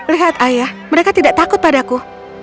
lihat ayah mereka tidak takut padaku